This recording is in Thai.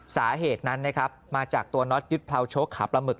สาเหตุนั้นนะครับมาจากตัวน็อตยึดเผาโชคขาปลาหมึก